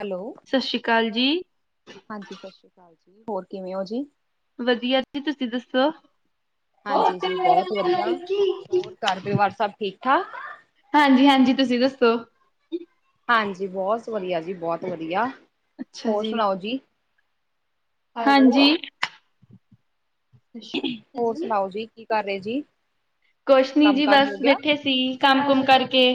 Hello. ਸਸੀ਼ ਕਾਲ ਜੀ। ਹਾਂਜੀ, ਸਸ਼੍ਰੀ ਕਾਲ ਜੀ, ਹੋਰ ਕਿਵੇ ਓ ਜੀ? ਵਦੀਆ ਜੀ, ਤੂਸੀ ਦੱਸੋ? ਹਾਂਜੀ ਜੀ, ਬੋਹਤ ਵਦੀਆ, ਹਾਂਜੀ-ਹਾਂਜੀ, ਹੋਰ ਘਾਰ ਪਰਿਵਾਰ ਸਬ ਠੀਕ-ਠਾਕ? ਹਾਂਜੀ-ਹਾਂਜੀ, ਤੂਸੀ ਦੱਸੋ? ਹਾਂਜੀ, ਬੋਸ ਵਦੀਆ ਜੀ, ਬੋਤ ਵਦੀਆ, ਹੋਰ ਸੁਣਾਓ ਜੀ? ਹਾਂਜੀ। ਹੋਰ ਸੁਨਾਓ ਜੀ, ਕੀ ਕਾਰ ਰੇ ਜੀ? ਕੁੱਸ਼ ਨੀ ਕੰਮ ਜੀ, ਕਾਰ ਬਾੱਸ ਹੋ ਗਿਆ ਬੈਠੇ ਸੀ, ਕਾੰਮ-ਕੁਮ ਕਾਰਕੇ।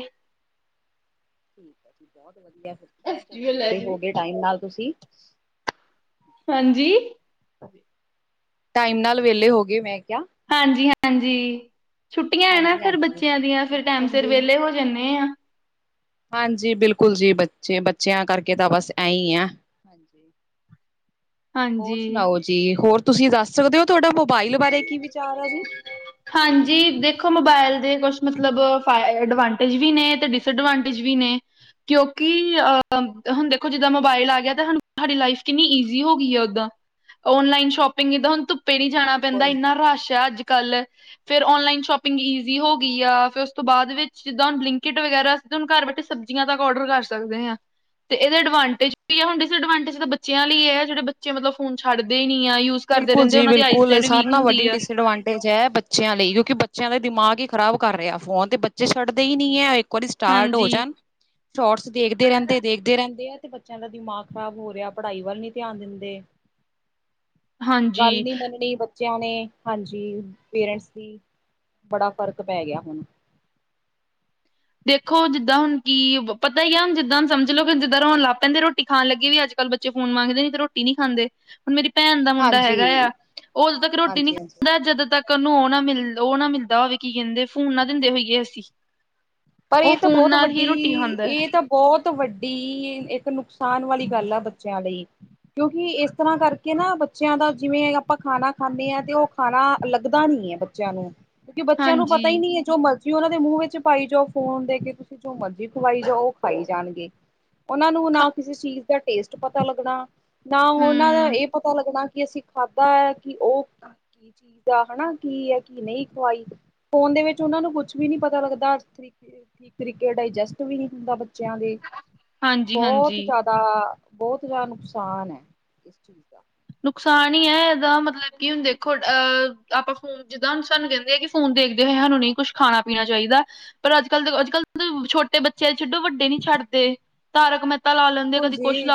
ਠੀਕ ਐ ਜੀ ਬੋਤ ਵਦੀਆ ਫੇਰ ਤਾਂ ਚਲੋ ਵੈਲੇ ਹਾਂਜੀ, ਹੋਗੇ ਟਾਈਮ ਨਾਲ ਤੂਸੀ। ਹਾਂਜੀ। ਟਾਈਮ ਨਾਲ ਵੈਲੇ ਹੋਗੇ ਮੈਂ ਕੇਆ? ਹਾਂਜੀ-ਹਾਂਜੀ ਛੁੱਟੀਆਂ ਐ ਨਾ ਹਾਂਜੀ ਫਿਰ ਹਾਂਜੀ ਬੱਚੇਆਂ ਦੀਆਂ, ਫੇਰ ਟੈਮ ਸਿਰ ਵੈਲੇ ਹੋ ਜਾਨੇ ਆਂ। ਹਾਂਜੀ, ਬਿਲਕੁਲ ਜੀ ਬੱਚੇ, ਬੱਚੇਆਂ ਕਾਰਕੇ ਤਾਂ ਬਾੱਸ ਐਂਈ ਐ। ਹਾਂਜੀ। ਹੋਰ ਹਾਂਜੀ। ਸੁਨਾਓ ਜੀ, ਹੋਰ ਤੂਸੀ ਦਾੱਸ ਸਕਦੇ ਓ ਤੂਆਡਾ ਮੋਬਾਇਲ ਬਾਰੇ ਕੀ ਵਿਚਾਰ ਐ ਜੀ? ਹਾਂਜੀ, ਦੇਖੋ ਮੋਬਾਇਲ ਦੇ ਕੁੱਛ ਮਤਲਬ ਫਾਏ ਐਡਵਾਂਟੇਜ ਵੀ ਨੇ, ਤੇ ਡਿਸਐਡਵਾਂਟੇਜ ਵੀ ਨੇ। ਕਿਉਂਕਿ ਅ ਹੁਨ ਦੇਖੋ ਜਿੱਦਾਂ ਮੋਬਾਇਲ ਆ ਗੇਆ ਤੇ ਸਾਨੂ ਸਾਡੀ ਲਾਈਫ ਕਿੰਨੀ ਈਜ਼ੀ ਹੋਗੀ ਐ ਓਦਾਂ। ਓਨਲਾਈਨ ਸ਼ੋਪਿੰਗ ਜਿੱਦਾ, ਹੁਨ ਧੁੱਪੇ ਨੀ ਜਾਣਾ ਪੈਂਦਾ, ਬਿਲਕੁਲ ਇੰਨਾ ਰਾੱਸ਼ ਹੈ ਅੱਜ-ਕੱਲ। ਫਿਰ ਔਨਲਾਈਨ ਸ਼ੋਪਿੰਗ ਈਜ਼ੀ ਹੋ ਗੀ ਆ, ਫੇਰ ਉਸ ਤੋਂ ਬਾਦ ਵਿੱਚ ਜਿੱਦਾਂ ਹੁਨ ਬਲਿੰਕਿਟ ਵਗੈਰਾ ਤੁਹਾਨੂੰ ਘਰ ਬੈਠੇ ਸਬਜ਼ੀਆਂ ਤੱਕ ਔਡਰ ਕਰ ਸਕਦੇ ਆ। ਤੇ ਇਹਦੇ ਐਡਵਾਂਟੇਜ ਵੀ ਹੈ ਹੁਣ ਡਿਸਐਡਵਾਂਟੇਜ ਤਾਂ ਬੱਚਿਆਂ ਲਈ ਹੀ ਹੈ। ਜਿਹੜੇ ਬੱਚੇ ਮਤਲਬ ਫੋਨ ਛੱਡਦੇ ਹੀ ਨੀ ਆ। ਯੂਜ਼ ਕਰਦੇ ਰਹਿੰਦੇ। ਉਹਨਾਂ ਦੀ ਆਈਜ਼ ਸਾਰੇ ਨਾਲ ਵੱਡੀ ਡਿਸਐਡਵਾਂਟੇ। ਬੱਚਿਆਂ ਲਈ ਕਿਉਂਕਿ ਬੱਚਿਆਂ ਦੇ ਦਿਮਾਗ ਹੀ ਖ਼ਰਾਬ ਕਰ ਰਿਹਾ। ਫੋਨ ਤੇ ਬੱਚੇ ਛੱਡਦੇ ਹੀ ਨਹੀਂ ਹੈ। ਫੋਨ ਸਟਾਰਟ ਹੋ ਹਾਂਜੀ, ਜਾਣ ਸ਼ੋਰਟਸ ਦੇਖਦੇ ਰਹਿੰਦੇ। ਦੇਖਦੇ ਰਹਿੰਦੇ ਆ। ਤੇ ਬੱਚਿਆਂ ਦਾ ਦਿਮਾਗ ਖ਼ਰਾਬ ਹੋ ਰਿਹਾ। ਪੜ੍ਹਾਈ ਵੱਲ ਨਹੀਂ ਧਿਆਨ ਦਿੰਦੇ। ਹਾਂਜੀ ਗੱਲ ਨੀ ਮੰਨਣੀ। ਬੱਚਿਆਂ ਨੇ ਹਾਂਜੀ, ਪੇਰੈਂਟਸ ਦੀ ਬੜਾ ਫ਼ਰਕ ਪੈ ਗਿਆ। ਹੁਣ ਦੇਖੋ ਜਿੱਦਾਂ ਹੁਣ ਕੀ ਪਤਾ ਹੀ ਆ। ਹੁਣ ਜਿੱਦਾਂ ਸਮਝ ਲੋ, ਕਿ ਜਿੱਦਾਂ ਰੋਣ ਲੱਗ ਪੈਂਦੇ। ਰੋਟੀ ਖਾਣ ਲੱਗੀ ਵੀ ਕੱਲ ਬੱਚੇ ਫੋਨ ਮੰਗਦੇ, ਨੀ ਤੇ ਰੋਟੀ ਨੀ ਖਾਂਦੇ। ਹੁਣ, ਮੇਰੀ ਭੈਣ ਦਾ ਮੁੰਡਾ ਹੈਗਾ ਹਾਂਜੀ ਆ। ਉਹ ਉਦੋਂ ਤੱਕ ਰੋਟੀ ਨੀ ਹਾਂਜੀ ਹਾਂਜੀ ਖਾਂਦਾ ਜਦੋਂ ਤੱਕ [unintelligible] ਕੀ ਕਹਿੰਦੇ ਫੋਨ ਨਾ ਦਿੰਦੇ ਹੋਈਏ। ਅਸੀ ਪਰ, ਇਹ ਤਾਂ ਬਹੁਤ ਵੱਡੀ ਖਾਂਦਾ ਹੈ ਇਹ ਤਾਂ ਬਹੁਤ ਵੱਡੀ ਇੱਕ ਨੁਕਸਾਨ ਵਾਲੀ ਗੱਲ ਆ। ਬੱਚਿਆਂ ਲਈ। ਕਿਉਂਕਿ, ਇਸ ਤਰ੍ਹਾਂ ਕਰਕੇ ਨਾ ਬੱਚਿਆਂ ਦਾ ਜਿਵੇਂ ਆਪਾਂ ਖਾਣਾ ਖਾਂਦੇ ਹਾਂ। ਤੇ ਉਹ ਖਾਣਾ ਲੱਗਦਾ ਨੀ ਹੈ। ਬੱਚਿਆਂ ਨੂੰ ਕਿਉਂਕਿ ਬੱਚਿਆਂ ਨੂੰ ਪਤਾ ਹੀ ਹਾਂਜੀ, ਨਹੀਂ ਹੈ। ਜੋ ਮਰਜ਼ੀ ਉਹਨਾਂ ਦੇ ਮੂੰਹ ਵਿੱਚ ਪਾਈ ਜਾਉ। ਫੂਨ ਦੇ ਕੇ ਤੁਸੀਂ ਜੋ ਮਰਜ਼ੀ ਖਵਾਈ ਜਾਓ। ਉਹ ਖਾਈ ਜਾਣਗੇ। ਉਹਨਾਂ ਨੂੰ ਖਾ ਨਾ ਕਿਸੇ ਚੀਜ਼ ਦਾ ਟੇਸਟ ਪਤਾ ਲੱਗਣਾ, ਨਾ ਉਹਨਾਂ ਦਾ ਹੂੰ, ਇਹ ਪਤਾ ਲੱਗਣਾ, ਕਿ ਅਸੀਂ ਖਾਧਾ ਹੈ। ਕਿ ਉਹ ਕੀ ਚੀਜ਼ ਆ ਹੈ। ਕੀ ਹੈ ਕੀ ਨਹੀਂ ਖਵਾਈ। ਫ਼ੋਨ ਦੇ ਵਿੱਚ ਉਹਨਾਂ ਨੂੰ ਕੁੱਛ ਵੀ ਨੀ ਪਤਾ ਲੱਗਦਾ। ਠੀਕ ਤਰੀਕੇ ਡਾਇਜੈਸਟ ਵੀ ਨਹੀਂ ਹੁੰਦਾ। ਬੱਚਿਆਂ ਦੇ ਬਹੁਤ ਹਾਂਜੀ-ਹਾਂਜੀ। ਜ਼ਿਆਦਾ ਦਾ ਬਹੁਤ ਜਿਆਦਾ ਨੁਕਸਾਨ ਹੈ। ਇਸ ਚੀਜ਼ ਦਾ ਨੁਕਸਾਨ ਹੀ ਹੈ। ਇਹਦਾ ਮਤਲਬ ਕੀ ਹੁਣ ਦੇਖੋ ਅਹ ਆਪਾਂ ਜਿੱਦਾਂ, ਹੁਣ ਸਾਨੂੰ ਕਹਿੰਦੇ ਆ ਕਿ ਫੋਨ ਦੇਖਦੇ ਹੋਏ ਸਾਨੂੰ ਨਹੀਂ ਕੁੱਝ ਖਾਣਾ ਪੀਣਾ ਚਾਹੀਦਾ। ਪਰ, ਅੱਜ-ਕੱਲ ਅੱਜ ਕੱਲ ਛੋਟੇ ਬੱਚੇ ਛਡੋ ਵੱਡੇ ਨੀ ਛੱਡਦੇ ਤਾਰਕ ਮਹਿ ਬਿਲਕੁਲ ਜੀ,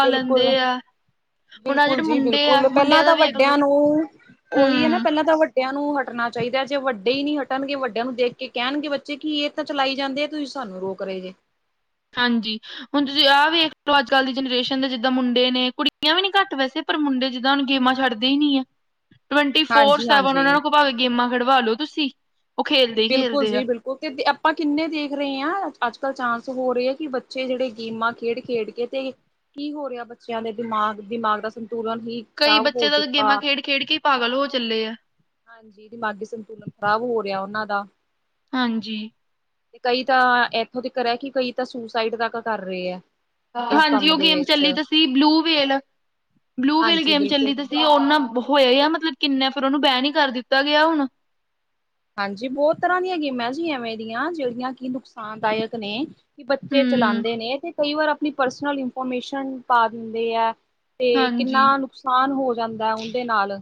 ਹੁਣ ਆਹ ਬਿਲਕੁਲ-ਬਿਲਕੁਲ ਜਿਹੜੇ ਜੀ ਮੁੰਡੇ ਆ ਬਿਲਕੁਲ। ਪਹਿਲਾਂ ਮੁੰਡਿਆਂ ਦਾ ਤਾਂ ਵੇਖ ਵੱਡਿਆਂ ਲੋ ਨੂੰ ਉਹੀ ਹੈ। ਨਾ ਪਹਿਲਾਂ ਹੂੰ ਪਹਿਲਾਂ ਤਾਂ ਵੱਡਿਆਂ ਨੂੰ ਹਟਣਾ ਚਾਹੀਦਾ। ਜੇ ਵੱਡੇ ਹੀ ਨਹੀਂ ਹਟਣਗੇ। ਵੱਡਿਆਂ ਨੂੰ ਦੇਖ ਕੇ ਕਹਿਣਗੇ, ਬੱਚੇ ਕਿ ਇਹ ਤਾਂ, ਚਲਾਈ ਜਾਂਦੇ ਆ। ਤੁਸੀਂ ਸਾਨੂੰ ਰੋਕ ਰਹੇ ਜੇ ਹਾਂਜੀ, ਹੁਣ ਤੁਸੀਂ ਆਹ ਵੇਖ ਲਓ ਅੱਜ ਕੱਲ੍ਹ ਦੀ ਜਨਰੇਸ਼ਨ ਦੇ ਜਿੱਦਾਂ ਮੁੰਡੇ ਨੇ ਕੁੜੀਆਂ ਵੀ ਨੀ ਘੱਟ ਵੈਸੇ। ਪਰ, ਮੁੰਡੇ ਜਿੱਦਾਂ ਹੁਣ ਗੇਮਾਂ ਛੱਡਦੇ ਹੀ ਨੀ ਹੈ ਟਵਟੀ ਫੋਰ ਹਾਂਜੀ ਸੈਵਨ ਉਹਨਾਂ ਹਾਂਜੀ। ਨੂੰ ਭਾਵੇਂ, ਗੇਮਾਂ ਖਡਵਾਲੋ ਤੁਸੀਂ ਉਹ ਖੇਲਦੇ ਹੀ ਬਿਲਕੁਲ ਖੇਲਦੇ ਆ ਜੀ, ਬਿਲਕੁਲ। ਉਹ ਆਪਾਂ ਕਿੰਨੇ ਦੇਖ ਰਹੇ ਹਾਂ। ਅੱਜ-ਕੱਲ੍ਹ ਚਾਂਸ ਹੋ ਰਹੇ ਹੈ। ਕਿ ਬੱਚੇ ਜਿਹੜੇ ਗੇਮਾਂ ਖੇਡ-ਖੇਡ ਇਹ ਤੇ ਕੀ ਹੋ ਰਿਹਾ। ਬੱਚਿਆਂ ਦੇ ਦਿਮਾਗ-ਦਿਮਾਗ ਦਾ ਸੰਤੁਲਨ ਹੀ ਕਈ, ਖ਼ਰਾਬ ਹੋ ਬੱਚੇ ਤਾਂ ਚੁੱਕਾ। ਗੇਮਾਂ ਖੇਡ-ਖੇਡ ਕੇ ਪਾਗਲ ਹੋ ਚੱਲੇ ਆ। ਹਾਂਜੀ, ਦਿਮਾਗੀ ਸੰਤੁਲਨ ਖ਼ਰਾਬ ਹੋ ਰਿਹਾ। ਉਹਨਾਂ ਦਾ ਹਾਂਜੀ। ਕਈ, ਤਾਂ ਇੱਥੋਂ ਤੀਕਰ ਹੈ। ਕਿ ਕਈ ਤਾਂ ਸੁੂਸਾਈਡ ਤੱਕ ਕਰ ਰਹੇ ਹੈ। ਇਸ ਹਾਂਜੀ, ਕੰਮ ਉਹ ਦੇ ਗੇਮ ਚੱਲੀ ਵਿੱਚ। ਤੇ ਸੀ। ਬਲੂ ਵੇਲ ਬਲੂ ਵੇਲ ਹਾਂਜੀ ਗੇਮ ਬਿਲਕੁਲ ਚੱਲੀ ਤਾਂ ਬਿਲਕੁਲ ਸੀ। ਉਹਨਾ ਹੋਇਆ ਹੀ ਆ ਮਤਲਬ ਕਿੰਨਾ ਫਿਰ ਉਹਨੂੰ ਬੈਨ ਹੀ ਕਰ ਦਿੱਤਾ ਗਿਆ। ਹੁਣ ਹਾਂਜੀ, ਬਹੁਤ ਤਰ੍ਹਾਂ ਦੀਆਂ ਗੇਮਾਂ ਜੀ ਐਵੇਂ ਦੀਆਂ ਜਿਹੜੀਆਂ ਕਿ ਨੁਕਸਾਨਦਾਇਕ ਨੇ ਕਿ ਬੱਚੇ ਹੂੰ, ਚਲਾਉਂਦੇ ਨੇ, ਤੇ ਕਈ ਵਾਰ ਆਪਣੀ ਪਰਸਨਲ ਇਨਫੋਰਮੇਸ਼ਨ ਪਾ ਦਿੰਦੇ ਹੈ। ਤੇ, ਹਾਂਜੀ। ਕਿੰਨਾ ਨੁਕਸਾਨ ਹੋ ਜਾਂਦਾ। ਉਹਦੇ ਨਾਲ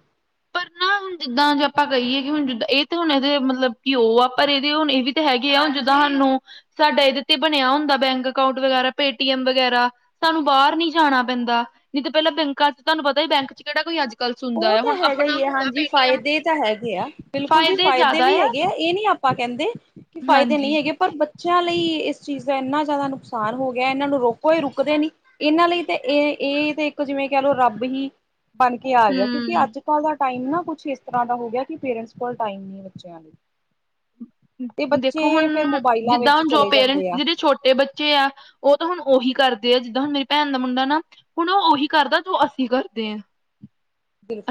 ਪਰ ਨਾ ਹੁਣ ਜਿੱਦਾਂ ਜੇ ਆਪਾਂ ਕਹੀਏ ਕਿ ਹੁਣ ਜਿੱਦਾਂ ਏ ਤੇ ਹੁਣ ਇਦੇ ਮਤਲਬ ਘਿ ਓ ਆ ਪਰ ਇਦੇ ਹੁਣ ਏ ਵੀ ਤਾਂ ਹੈਗੇ ਆ ਹੁ ਜਿੱਦਾਂ ਸਾਨੂੰ ਸਾਡਾ ਇਦੇ ਤੇ ਬਣਿਆ ਹੁੰਦਾ ਬੈਂਕ ਅਕਾਊਂਟ ਵਗੈਰਾ, ਪੇਟੀਐਮ ਵਗੈਰਾ ਸਾਨੂੰ ਬਾਰ ਨੀ ਜਾਣਾ ਪੈਂਦਾ ਨਈ ਤੇ ਪੈਲਾਂ ਬੈਂਕਾਂ ਚ ਤਾਨੂੰ ਪਤਾ ਈ ਬੈਂਕ ਚ ਕਿੜਾ ਕੋਈ ਅੱਜ ਗੱਲ ਸੁਣਦਾ ਉਹ ਆ। ਤਾਂ ਹੁਣ ਅਪ ਹੈਗਾ ਹਾਂਜੀ। ਫਾਇਦੇ ਤਾ ਹੈਗੇ ਆ ਬਿਲਕੁਲ ਜੀ ਫਾਇਦੇ ਵੀ ਹੈਗੇ ਆ ਏ ਨੀ ਆਪਾਂ ਕੈਂਦੇ ਫ਼ਾਇਦੇ ਹਾਂਜੀ, ਨਈ ਹੇਗੇ। ਪਰ ਬੱਚਿਆਂ ਲਈ ਇਸ ਚੀਜ਼ ਦਾ ਏਨਾ ਜ਼ਿਆਦਾ ਨੁਕਸਾਨ ਹੋ ਗਿਆ ਏ ਇਨਾਂ ਨੂੰ ਰੋਕੋ ਏ ਰੁਕਦੇ ਨੀ। ਇਨਾਂ ਲਈ ਤੇ ਏ -ਏ ਤੇ ਇੱਕ ਜਿਵੇਂ ਕਹਿ ਲਓ ਰੱਬ ਹੀ ਬਣ ਆ ਗਿਆ ਕਿਉਂਕਿ ਹੂੰ ਅੱਜ-ਕੱਲ ਦਾ ਟਾਈਮ ਨਾ ਕੁਛ ਇਸ ਤਰ੍ਹਾਂ ਦਾ ਹੋ ਗਿਆ ਕਿ ਪੇਰੈਂਟਸ ਕੋਲ ਟਾਈਮ ਨਈ ਬੱਚਿਆਂ ਲਈ ਤੇ ਦੇਖੋ ਹੁਣ ਬੱਚੇ ਫਿਰ ਮੋਬਾਇਲਾਂ ਜਿੱਦਾਂ ਵਿੱਚ ਹੁਣ ਜੋ ਚਲੇ ਪੇਰੈਂਟਸ ਜਾਂਦੇ ਆ ਜਿਦੇ ਛੋਟੇ ਬੱਚੇ ਬੱਚੇ ਆ ਓ ਤਾਂ ਹੁਣ ਉਹੀ ਕਰਦੇ ਆ ਜਿੱਦਾਂ ਹੁਣ ਮੇਰੀ ਭੈਣ ਦਾ ਮੁੰਡਾ ਨਾ ਹੁਣ ਓ ਉਹੀ ਕਰਦਾ ਜੋ ਅਸੀਂ ਕਰਦੇ ਆਂ।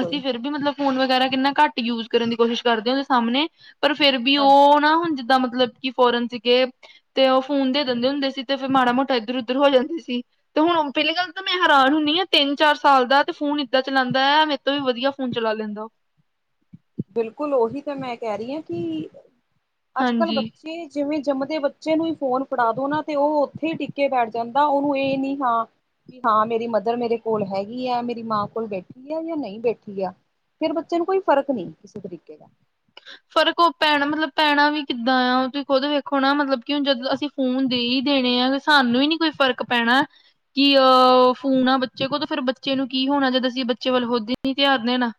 ਅਸੀਂ ਫੇਰ ਵੀ ਮਤਲਬ ਫੋਨ ਵਗੈਰਾ ਕਿੰਨਾ ਘੱਟ ਯੂਜ ਕਰਨ ਦੀ ਕੋਸ਼ਿਸ਼ ਕਰਦੇ ਆਂ। ਓਦੇ ਸਾਮਣੇ ਪਰ ਫੇਰ ਵੀ ਹਾਂਜੀ ਓ ਨਾ ਹੁਣ ਜਿੱਦਾਂ ਮਤਲਬ ਕਿ ਫੋਰਨ ਸੀਗੇ ਤੇ ਓ ਫੋਨ ਦੇ ਦਿੰਦੇ ਹੁੰਦੇ ਸੀ ਤੇ ਫਿਰ ਮਾੜਾ ਮੋਟਾ ਇੱਧਰ ਉੱਧਰ ਹੋ ਜਾਂਦੇ ਸੀ। ਤੇ ਹੁਣ ਪੈਲੀ ਗੱਲ ਤਾਂ ਮੈਂ ਹੈਰਾਨ ਹੁੰਦੀ ਆਂ ਤਿੰਨ-ਚਾਰ ਸਾਲ ਦਾ ਤੇ ਫੋਨ ਏਦਾਂ ਚਲਾਂਦਾ ਐ। ਮੇ ਤੋਂ ਵੀ ਵਧੀਆ ਫੋਨ ਚਲਾ ਲੈਂਦਾ। ਬਿਲਕੁਲ ਓਹੀ ਤਾ ਮੈਂ ਕੈ ਰੀ ਆਂ ਕਿ ਅੱਜ-ਕੱਲ ਹਾਂਜੀ ਬੱਚ ਏ ਜਿਵੇਂ ਜੰਮਦੇ ਬੱਚੇ ਨੂੰ ਈ ਫੋਨ ਫੜਾ ਦੋ ਨਾ ਤੇ ਓ ਓਥੇ ਈ ਟਿੱਕਕੇ ਬੈਠ ਜਾਂਦਾ ਉਨੂੰ ਏ ਨੀ ਹਾਂ ਕਿ ਕਿ ਹਾਂ ਮੇਰੀ ਮਦਰ ਮੇਰੇ ਕੋਲ ਹੈਗੀ ਐ ਮੇਰੀ ਮਾਂ ਕੋਲ ਬੈਠੀ ਆ ਜਾਂ ਨਈ ਬੈਠੀ ਆ। ਫਿਰ ਬੱਚੇ ਨੂੰ ਕੋਈ ਫ਼ਰਕ ਨਈ ਕਿਸੇ ਤਰੀਕੇ ਦਾ। ਫਰਕ ਓ ਪੈਣਾ ਮਤਲਬ ਪੈਣਾ ਵੀ ਕਿੱਦਾਂ ਆ ਤੁਹੀ ਖੁਦ ਵੇਖੋ ਨਾ ਮਤਲਬ ਕਿ ਹੁਣ ਜਦੋਂ ਅਸੀਂ ਫੋਨ ਦੇ ਈ ਦੇਣੇ ਆ ਸਾਨੂੰ ਈ ਨੀ ਕੋਈ ਫ਼ਰਕ ਪੈਣਾ ਕਿ ਓ ਫੂਨ ਆ ਬੱਚੇ ਕੋਲ ਤਾਂ ਫੇਰ ਬੱਚੇ ਨੂੰ ਕੀ ਹੋਣਾ ਜਦ ਅਸੀਂ ਬੱਚੇ ਵੱਲ ਖੁਦ ਹੀ ਨੀ ਧਿਆਨ ਦੇਣਾ।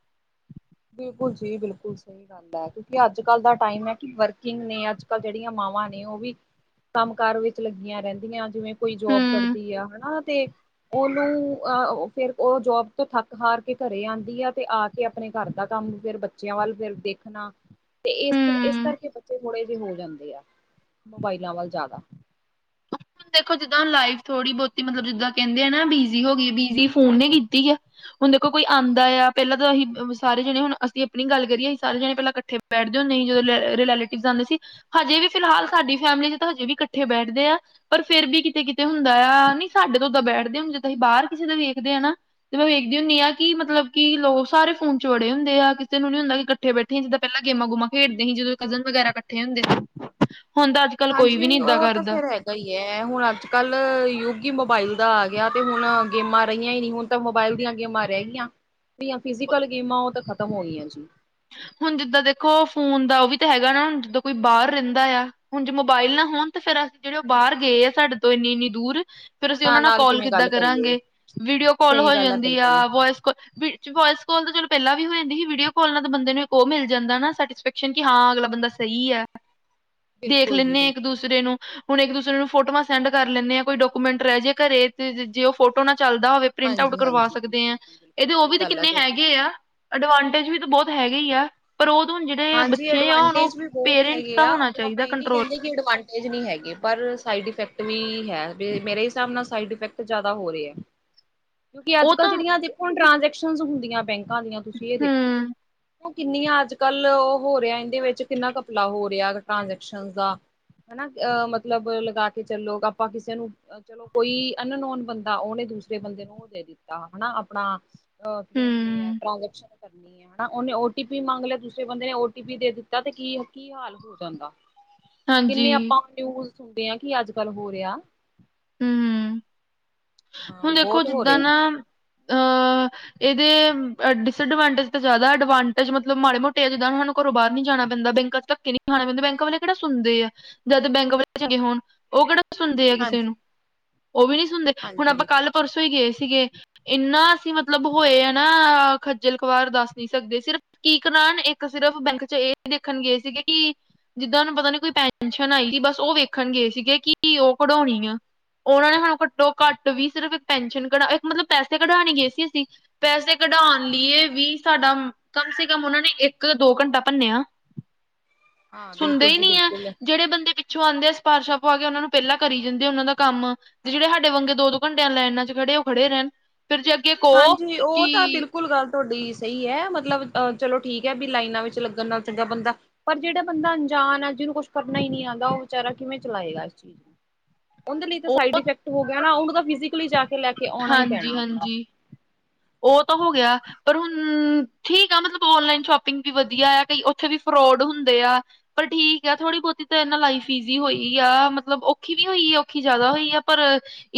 ਬਿਲਕੁਲ ਜੀ ਬਿਲਕੁਲ ਸਈ। ਜਾਂਦਾ ਕਿਉਂਕਿ ਅੱਜ-ਕੱਲ ਦਾ ਟਾਈਮ ਐ ਕਿ ਵਰਕਿੰਗ ਨੇ ਅੱਜ-ਕਲ ਜਿਹੜੀਆਂ ਮਾਵਾਂ ਨੇ ਓ ਵੀ ਕੰਮ ਕਾਰ ਵਿਚ ਲੱਗੀਆਂ ਰੈਂਦੀਆਂ ਜਿਵੇਂ ਕੋਈ ਜੋਬ ਹੂੰ ਕਰਦੀ ਆ ਹਨਾ ਤੇ ਉਨੂੰ ਅਹ ਫੇਰ ਓ ਜੋਬ ਤੋਂ ਥੱਕ ਹਾਰ ਕੇ ਘਰੇ ਆਂਦੀ ਆ ਤੇ ਆ ਕੇ ਆਪਣੇ ਘਰ ਦਾ ਕੰਮ ਫੇਰ ਬੱਚਿਆਂ ਵੱਲ ਫੇਰ ਦੇਖਣਾ। ਤੇ ਇਸ-ਇਸ ਹੂੰ ਕਰਕੇ ਬੱਚੇ ਥੋੜੇ ਜੇ ਹੋ ਜਾਂਦੇ ਆ ਮੋਬਾਈਲਾਂ ਵੱਲ ਜ਼ਿਆਦਾ ਹੁਣ [inaudible] ਦੇਖੋ ਜਿੱਦਾਂ ਲਾਈਫ ਥੋੜੀ ਬੌਤੀ ਮਤਲਬ ਜਿੱਦਾਂ ਕੈਂਦੇ ਆ ਨਾ ਬਿਜ਼ੀ ਹੋ ਗਈ ਬਿਜੀ ਫੋਨ ਨੇ ਕੀਤੀ ਆ। ਹੁਣ ਦੇਖੋ ਕੋਈ ਆਂਦਾ ਆ ਪੈਲਾਂ ਤਾਂ ਅਸੀ ਸਾਰੇ ਜਾਣੇ ਹੁਣ ਅਸੀਂ ਆਪਣੀ ਗੱਲ ਕਰਿਏ ਸਾਰੇ ਜਾਣੇ ਪੈਲਾਂ ਕੱਠੇ ਬੈਠ ਜਨਈ ਜਦੋਂ ਰਿ ਰਿਲੇਟਿਵ ਆਂਦੇ ਸੀ। ਹਜੇ ਵੀ ਫਿਲਹਾਲ ਸਾਡੀ ਫੈਮਿਲੀ ਚ ਤਾਂ ਹਜੇ ਵੀ ਕੱਠੇ ਬੈਠਦੇ ਆ। ਪਰ ਫੇਰ ਵੀ ਕਿਤੇ-ਕਿਤੇ ਹੁੰਦਾ ਆ ਨੀ ਸਾਡੇ ਤੋਂ ਤਾਂ ਬੈਠਦੇ ਹੁਣ ਜਿੱਦ ਅਸੀਂ ਬਾਹਰ ਕਿਸੇ ਦਾ ਵੇਖਦੇ ਆ ਨਾ ਤੇ ਮੈਂ ਵੇਖਦੀ ਹੁੰਨੀ ਆ ਕਿ ਮਤਲਬ ਕਿ ਲੋਕ ਸਾਰੇ ਫੋਨ ਚ ਵੜੇ ਹੁੰਦੇ ਆ ਕਿਸੇ ਨੂੰ ਨੀ ਹੁੰਦਾ ਕਿ ਕੱਠੇ ਬੈਠੇ ਆ ਜਿੱਦਾਂ ਪੈਲਾਂ ਗੇਮਾਂ-ਗੂਮਾਂ ਖੇਡਦੇ ਸੀ, ਜਦੋਂ ਕਜ਼ਨ ਵਗੈਰਾ ਕੱਠੇ ਹੁੰਦੇ ਸਨ ਹੁਣ ਤ ਕੱਲ ਕੋਈ ਵੀ ਨੀ ਇੱਦਾਂ ਕਰਦਾ। ਏਦ ਈ ਐ, ਹੁਣ ਅੱਜ-ਕੱਲ੍ਹ ਯੂਗ ਈ ਮੋਬਾਇਲ ਦਾ ਆ ਗਿਆ ਤੇ ਹੁਣ ਗੇਮਾਂ ਰਈਆਂ ਈ ਨੀ ਹੁਣ, ਤਾ ਮੋਬਾਇਲ ਦੀਆਂ ਗੇਮਾਂ ਰੈ ਗੀਆਂ। ਦੀਆ ਫਿਜ਼ਕਲ ਗੇਮਾਂ ਓ ਤਾਂ ਖਤਮ ਹੋ ਗੀਆਂ ਜੀ। ਹੁਣ ਜਿੱਦਾਂ ਦੇਖੋ, ਫੋਨ ਦਾ ਓ ਵੀ ਤਾਂ ਹੈਗਾ ਨਾ ਜਿੱਦਾ ਕੋਈ ਬਾਰ ਰੈੰਦਾ ਆ। ਹੁਣ ਜੇ ਮੋਬਾਇਲ ਨਾ ਹੋਣ ਤੇ ਫੇਰ ਅਸ ਜੇੜੇ ਓ ਬਾਰ ਗਏ ਐ ਸਾਡੇ ਤੋਂ ਏਨੀ-ਏਨੀ ਦੂਰ ਫੇਰ ਅਸੀਂ ਉਹਨਾਂ ਔਨਾਂ ਨਾਲ ਕੋਲ ਕਿਵੇਂ ਕਿੱਦਾਂ ਗੱਲ ਕਰੀਏ ਕਰਾਂਗੇ? ਵੀਡੀਓ ਕਾੱਲ ਸਹੀ ਹੋ ਗੱਲ ਹੈ ਜਾਂਦੀ ਬਿਲਕੁਲ ਆ, ਵੋਇਸ ਕੋਲ ਵੋਇਸ ਕੋਲ ਤਾਂ, ਚਲੋ ਪੈਲਾਂ ਵੀ ਹੋ ਜਾਂਦੀ ਹੀ, ਵੀਡੀਓ ਕੋਲ ਨਾਲ ਮਤਲਬ ਬੰਦੇ ਨੂੰ ਇੱਕ ਓਹ ਮਿਲ ਜਾਂਦੈ ਨਾ, ਸੈਟਿਸਫੈਕਸ਼ਨ, ਕਿ ਹਾਂ, ਅਗਲਾ ਬੰਦਾ ਸਹੀ ਐ। ਦੇਖ ਬਿਲਕੁਲ ਜੀ ਲੈਂਣੇ ਆਂ, ਇੱਕ ਬਿਲਕੁਲ। ਦੂਸਰੇ ਨੂੰ। ਹੁਣ, ਇੱਕ-ਦੂਸਰੇ ਨੂੰ ਫੋਟੋਆਂ ਸੈਂਡ ਕਰ ਲੈਂਣੇ ਆ, ਕੋਈ ਡਾਕੂਮੈਂਟ ਰੈ ਜੇ ਘਰੇ, ਤੇ ਜੇ ਓਹ ਫੋਟੋ ਨਾ ਚੱਲਦਾ ਹੋਵੇ ਪ੍ਰਿੰਟ ਆਊਟ ਹਾਂਜੀ ਕਰਵਾ ਹਾਂਜੀ ਸਕਦੇ ਬਿਲਕੁਲ ਆਂ, ਜੀ ਬਿਲਕੁਲ ਏਹਦੇ ਓ ਸਹੀ ਵੀ ਤੇ ਗੱਲ ਆ ਕਿੰਨੇ ਤੁਹਾਡੀ। ਹੈਗੇ ਆ, ਅਡਵਾਂਟੇਜ ਵੀ ਬੋਤ ਹੈਗੇ ਈ ਯਾ, ਪਰ ਓਦੋਂ ਜੇੜੇ ਹਾਂਜੀ ਬੱਚੇ ਆ, ਹੁਣ ਓਹ ਐਡਵਾਂਟੇਜ ਵੀ ਬਹੁਤ ਪੇਰੈਂਟਸ ਹੈਗੇ ਦਾ ਆ ਹੋਣਾ ਉਹ ਆਪਾਂ ਚਾਈਦੈ ਇਹ ਕੰਟਰੋਲ। ਨੀ ਕੀ, ਐਡਵਾਂਨ ਤੇਜ ਨੀ ਹੈਗੇ, ਪਰ ਸਾਈਡ ਇਫੈਕਟ ਵੀ ਹੈ ਬੇ, ਮੇਰੇ ਹਿਸਾਬ ਨਾਲ ਸਾਈਡ ਇਫੈਕਟ ਜੈਦਾ ਹੋ ਰੇ ਐ। ਕਿਉਂਕਿ, ਉਹ ਅੱਜ-ਕੱਲ੍ਹ ਤਾਂ ਜੇੜੀਆਂ ਦੇਖੋ, ਹੁਣ ਟ੍ਰਾਂਜੈਕਸ਼ਨ ਹੁੰਦੀਆਂ, ਬੈਂਕਾਂ ਦੀਆਂ ਤੁਸੀਂ ਏਹ ਦੇਖੋ। ਹੂੰ ਕਿੰਨੀਆਂ ਅੱਜ-ਕੱਲ੍ਹ ਓਹ ਹੋ ਰਿਐ ਐਣ ਦੇ ਵਿਚ, ਕਿੰਨਾ ਘੱਪਲਾ ਹੋ ਰਿਐ, ਅ ਟ੍ਰਾਂਜੈਕਸ਼ਨ ਦਾ। ਹੈਨਾ, ਅਹ ਮਤਲਬ ਲਗਾ ਕੇ ਚੱਲੋ, ਆਪਾਂ ਕਿਸੇ ਨੂੰ ਚਲੋ ਕੋਈ ਅਨਨੋਨ ਬੰਦਾ, ਓਹਨੇ ਦੂਸਰੇ ਬੰਦੇ ਨੂੰ ਓ ਦੇ ਦਿੱਤਾ, ਹਨਾ ਅਪਣਾ ਅਹ, ਕੀ ਕੈੰਦੇ ਐ, ਹੂੰ ਟਾਂਜੈਕਸ਼ਨ ਕਰਨੀ ਐ ਹੈਨਾ। ਓਹਨੇ ਔ ਟੀ ਪੀ ਮੰਗ ਲਿਆ, ਤੁਸੀਂ ਜੇ ਬੰਦੇ ਨੇ ਓ ਟੀ ਪੀ ਦੇ ਦਿੱਤਾ ਤੇ ਕੀਅ ਕੀ ਹਾਲ ਹੋ ਜਾਂਦਾ। ਹਾਂਜੀ ਕਿੰਨੇ ਆਪਾਂ ਨਿਊਜ਼ ਸੁਣਦੇ ਆ, ਕੀ ਅੱਜ-ਕੱਲ ਹੋ ਰਿਆ। ਹੂੰ, ਹੂੰ ਹਾਂ ਹੁਣ ਦੇਖੋ, ਬਹੁਤ ਹੋ ਜਿੱਦਾਂ ਰਿਹਾ ਨਾ ਅਹ ਏਦੇ ਡਿਸਐਡਵਾਂਟੇਜ ਤੇ ਜੈਦਾ, ਐਡਵਾਂਟੇਜ ਮਤਲਬ ਮਾੜੇ ਮੋਟੇ ਆ, ਜਿੱਦਾਂ ਹੁਨ ਘਰੋਂ ਬਾਰ ਨੀ ਜਾਣਾ ਪੈਂਦਾ, ਬੈਂਕਾ ਚ ਧੱਕੇ ਨੀ ਖਾਣੇ ਪੈਂਦੇ, ਬੈਂਕ ਵਾਲੇ ਕੇੜਾ ਸੁਣਦੇ ਆ, ਜਦ ਬੈਂਕ ਵਾਲੇ ਚਗੇ ਹੋਣ, ਓਹ ਕੇੜਾ ਸੁਣਦੇ ਆ ਕਿਸੇ ਨੂੰ, ਓਹ ਵੀ ਨੀ ਸੁਣਦੇ। ਹੁਣ ਹਾਂਜੀ-ਹਾਂਜੀ ਆਪਾਂ, ਕੱਲ ਪਰਸੋਂ ਹੀ ਗਏ ਸੀਗੇ, ਇੰਨਾ ਅਸੀਂ ਬਿਲਕੁਲ ਮਤਲਬ ਹੋਏ ਅਨਾ ਖਜ ਜਲਖ਼ਵਾਰ ਦੱਸ ਨੀ ਸਕਦੇ, ਸਿਰਫ ਕੀ ਕਰਾਨ, ਇੱਕ ਸਿਰਫ ਬੈਂਕ ਚ ਏ ਦੇਖਣ ਗਏ ਸੀਗੇ ਕਿ ਜਿੱਦਾਂ ਓਨੂੰ ਪਤਾ ਨੀ, ਕੋਈ ਪੈਨਸ਼ਨ ਆਈ ਸੀ, ਬਸ ਓ ਵੇਖਣ ਗਏ ਸੀਗੇ, ਕਿ ਓਹ ਕਢੋਣੀ ਆ। ਓਨਾਂ ਨੇ ਸਾਨੂੰ ਘੱਟੋ-ਘੱਟ ਵੀ, ਸਿਰਫ ਇੱਕ ਪੈਨਸ਼ਨ ਕਢਾ, ਇੱਕ ਮਤਲਬ ਪੈਸੇ ਕਢਾਣ ਈ ਗਏ ਸੀ ਅਸੀਂ। ਪੈਸੇ ਕਢਾਣ ਲੀਏ ਵੀ ਸਾਡਾ, ਕਮ ਸੇ ਕਮ ਓਨਾਂ ਨੇ, ਇੱਕ ਯਾ ਦੋ ਘੰਟਾ ਭੰਨਿਆ। [inaudible] ਸੁਣਦੇ ਬਿਲਕੁਲ ਈ ਜੀ ਨੀ ਯੈ, ਬਿਲਕੁਲ। ਜੇੜੇ ਬੰਦੇ ਪਿ ਛੋ ਆੰਦੇ ਐ, ਸਿਪਾਰਸ਼ਾਂ ਪਵਾ ਕੇ, ਓਨਾ ਨੂੰ ਪੈਲਾਂ ਕਰੀ ਜਾਂਦੇ, ਔਨਾਂ ਦਾ ਕੰਮ ਤੇ ਜਿੜੇ ਹ ਕਡੇ ਵੰਗੇ ਦੋ-ਦੋ ਘੰਟਿਆਂ ਲਾਈਨਾਂ ਚ ਖੜੇ ਉਹ, ਖੜੇ ਰੈਣ, ਫੇਰ ਜੇ ਅੱਗੇ ਕੋ ਕਿ ਕੁਲ ਗੱਲ ਤੁਆਡੀ ਸਹੀ ਐ, ਮਤਲਬ ਅਹ ਚਲੋ ਠੀਕ ਹੈ, ਬੀ ਲਾਈਨਾਂ ਵਿੱਚ ਲੱਗਣ ਨਾਲ ਚੰਗਾ ਬੰਦਾ ਪਰ ਜੇੜਾ ਬੰਦਾ ਅੰਜਾਨ ਐ, ਜਿਨੂੰ ਕੋਛ ਕਰਨਾ ਹੀ ਨੀ ਆੰਦਾ, ਓਹ ਵਿਚਾਰਾ ਕਿਵੇਂ ਚਲਾਏਗਾ, ਏਸ ਚੀਜ਼। ਓੰਦੇ ਲਈ ਤੇ ਉਹ ਸਾਈਡ ਈਫੈਕਟ ਹੋ ਗਿਆ ਨਾ, ਓੰਗ ਤਾਂ ਫਿਜੀਕਲੀ ਜਾ ਕੇ ਲੈਕੇ ਔਣਾ ਈ ਪੈਣਾ ਆਪਣਾ। ਓ ਤਾਂ ਹੋ ਗਿਆ। ਪਰ ਹੁਣ, ਠੀਕ ਆ, ਮਤਲਬ ਔਨਲਾਈਨ ਸ਼ੋਪਿੰਗ ਵੀ ਵਧੀਆ ਐ, ਕਈ ਓਥੇ ਵੀ ਫਰੋਡ ਹੁੰਦੇ ਆ। ਪਰ ਠੀਕ ਐ, ਥੋੜ੍ਹੀ-ਬੋਤੀ ਤੇ ਏਨਾ ਲਾਈਫ ਈਜ਼ੀ ਹੋਈ ਆ, ਮਤਲਬ ਔਖੀ ਵੀ ਹੋਈ, ਔਖੀ ਜੈਦਾ ਹੋਈ ਆ ਪਰ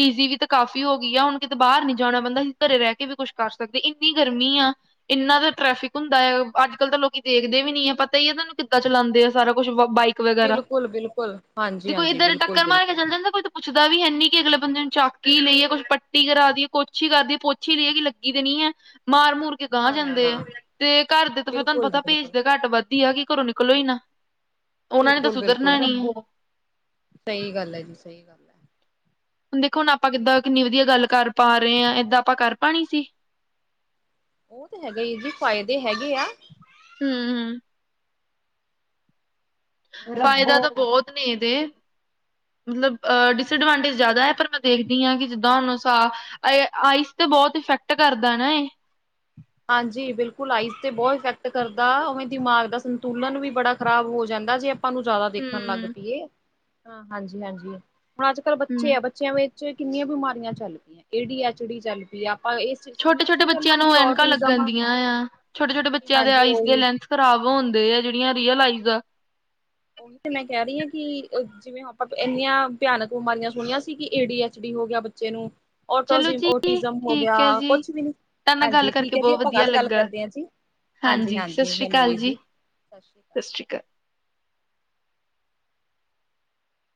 ਈਜ਼ੀ ਵੀ ਤੇ ਕਾਫ਼ੀ ਹੋ ਗ ਗੀ ਆ, ਹੁਣ ਕਿਤੇ ਬਾਰ ਨੀ ਜਾਣਾ ਪੈਂਦਾ, ਅਸੀਂ ਘਰੇ ਰੈ ਕੇ ਵੀ ਕੁੱਛ ਕਰ ਸਕਦੇ, ਇੰਨੀ ਗਰਮੀ ਆ। ਇੰਨਾ ਤਾਂ ਟਰੈਫਿਕ ਹੁੰਦਾ ਏ। ਅੱਜ-ਕੱਲ੍ਹ ਤਾਂ ਲੋਕੀ ਦੇਖਦੇ ਵੀ ਨੀ ਐ, ਪਤਾ ਹੀ ਐ ਤਾਨੂੰ ਕਿੱਦਾਂ ਚਲਾੰਦੇ ਆ, ਸਾਰਾ ਕੁੱਛ ਬਾਈਕ ਈਕ ਵਗੈਰਾ। ਬਿਲਕੁਲ ਬਿਲਕੁਲ ਤੇ ਹਾਂਜੀ ਕੋਈ ਹਾਂਜੀ ਇੱਧਰ ਬਿਲਕੁਲ ਟੱਕਰ ਮਾਰ ਕੇ ਬਿਲਕੁਲ ਚੱਲ ਜਾਂਦਾ ਕੋਈ ਤ ਪੁੱਛਦਾ ਵੀ ਹੈ ਨੀ, ਕਿ ਅਗਲੇ ਬੰਦੇ ਨੂੰ ਚਾਕੀ ਲਈਏ, ਕੁੱਛ ਪੱਟ ਟੀ ਕਰਾ ਦੀਏ, ਕੋਛੀ ਕੱਰਦੀਏ, ਪੋਛੀ ਲਈਏ, ਕਿ ਲੱਗੀ ਤੇ ਨੀ ਐ। ਮਾਰ-ਮੂਰ ਅਗਾਂਹ ਨਾ ਨਾ ਜਾਂਦੇ ਐ। ਨਾ ਤੇ ਘਰ ਦੇ ਤਾਂ ਫਿਰ ਤਾਨੂੰ ਬਿਲਕੁਲ ਜੀ ਪਤਾ ਬਿਲਕੁਲ। ਭੇਜਦੇ ਘੱਟ ਵੱਧ ਈ ਆ, ਕਿ ਘਰੋਂ ਨਿਕਲੋ ਈ ਨਾ। ਉਹਨਾਂ ਨੇ ਤਾਂ ਸੁਧਰਨਾ ਬਿਲਕੁਲ-ਬਿਲਕੁਲ, ਨੀ ਹੈ ਸਹੀ ਗੱਲ ਐ ਜੀ, ਸਹੀ ਗੱਲ ਐ। ਹੁਣ ਦੇਖੋ, ਹੁਣ ਆਪਾਂ, ਕਿੱਦਾਂ ਕਿੰਨੀ ਵਧੀਆ ਗੱਲ ਕਰ ਪਾ ਰਹੇ ਹਾਂ? ਏਦਾਂ ਆਪਾਂ ਕਰ ਪਾਉਣੀ ਸੀ। ਉਹ ਤਾਂ ਹੈਗਾ ਹੀ ਜੀ, ਫ਼ਾਇਦੇ ਹੈਗੇ ਆ। ਹਮ-ਹਮ। ਉਹ ਹੈਗਾ ਫਾਇਦਾ ਹੀ ਤਾਂ ਫਾਇਦੇ ਬਹੁਤ ਨੇ ਇਹਦੇ ਮਤਲਬ ਡਿਸ ਹਾਂਜੀ ਹਾਂਜੀ। ਐਡਵਾਂਟੇਜ ਜ਼ਿਆਦਾ ਹੈ ਪਰ ਦੇਖਦੀ ਹਾਂ ਕਿ ਜਿੱਦਾਂ ਹਾਨੂੰ ਸਾ ਆਈਸ ਤੇ ਬੋਤਾ ਇਫੈਕਟ ਕਰਦਾ ਨਾ ਇਹ‌ ਹਾਂਜੀ ਬਿਲਕੁਲ ਆਈਜ਼ ਤੇ ਬੋਤ ਇਫੈਕਟ ਕਰਦਾ ਉਵੇਂ ਦਿਮਾਗ ਦਾ ਸੰਤੁਲਨ ਵੀ ਬੜਾ ਖ਼ਰਾਬ ਹੋ ਜਾਂਦਾ ਜੇ। ਆਪਾਂ ਨੂੰ ਜਿਆਦਾ ਦੇਖਣ ਲੱਗ ਹਮ ਪਈਏ ਹ ਹਾਂਜੀ ਹਾਂਜੀ ਹੁਣ ਅੱਜ ਕੱਲ੍ਹ ਹਮ ਬੱਚੇ ਆ ਬੱਚਿਆਂ ਵਿੱਚ ਕਿੰਨੀਆਂ ਬਿਮਾਰੀਆਂ ਚੱਲ ਪਈਆਂ ਏ ਡੀ ਐਚ ਡੀ ਚੱਲ ਪਈ ਆ ਆਪਾਂ ਛੋਟੇ ਸੁਣਿਆ ਛੋਟ ਸੀ ਬੱਚਿਆਂ ਪਹਿਲਾਂ ਨੂੰ ਕਦੀ ਐਨਕਾ ਲੱਗੀਆਂ ਔਟਿਜ਼ਮ ਗੰਦੀਆਂ ਆ ਛੋਟੇ ਛੋਟੇ ਹਾਂਜੀ ਬੱਚਿਆਂ ਦੇ ਹਾਂਜੀ ਆਈਸ ਦੇ ਉਹੀ ਲੈਂਸ ਖਰਾਬ ਹੋੁੰਦੇ ਆ ਜਿਹੜੀਆਂ ਰੀਅਲ ਆਈਸ ਦਾ। ਉਹੀ ਤੇ ਮੈਂ ਕੈ ਰਹੀ ਹਾਂ ਕਿ ਜਿਵੇਂ ਆਪਾਂ ਇੰਨੀਆਂ ਭਿਆਨਕ ਬਿਮਾਰੀਆਂ ਸੁਣੀਆਂ ਸੀ ਕਿ ਏ ਡੀ ਐਚ ਡੀ ਹੋ ਗਿਆ ਬੱਚੇ ਨੂੰ। ਟੋ ਚਲੋ ਓਜ਼ਮ ਹੋ ਗਿਆ ਜੀ ਓਟੀਜ਼ਮ ਹੋ ਗਿਆ ਠੀਕ ਹੈ ਜੀ, ਕੁਛ ਵੀ ਨੀ ਤੁਹਾਡੇ ਨਾਲ ਗੱਲ ਹਾਂਜੀ ਠੀਕ ਕਰਕੇ ਹੈ ਜੀ ਬਹੁਤ ਆਪਾਂ ਵਧੀਆ ਕੱਲ ਗੱਲ ਲੱਗਾ। ਕਰਦੇ ਹਾਂ ਜੀ ਹਾਂਜੀ ਸਤਿ ਹਾਂਜੀ ਸ੍ਰੀ ਮੈਨੂੰ ਅਕਾਲ ਵੀ ਜੀ ਸਤਿ ਸ਼੍ਰੀ ਅਕਾਲ। ਸਤਿ ਸ਼੍ਰੀ ਅਕਾਲ।